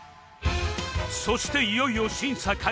そしていよいよ審査開始